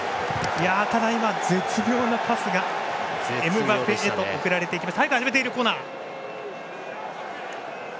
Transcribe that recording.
今、絶妙なパスがエムバペへと送られていきました。